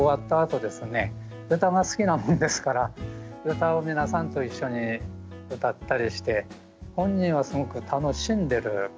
歌が好きなもんですから歌を皆さんと一緒に歌ったりして本人はすごく楽しんでる感じですね。